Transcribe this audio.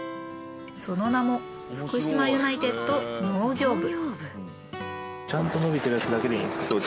その名も福島ユナイテッド農業部。